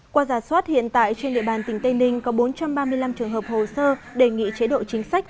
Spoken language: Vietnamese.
qua giả soát hiện tại trên địa bàn tỉnh tây ninh có bốn trăm ba mươi năm trường hợp hồ sơ đề nghị chế độ chính sách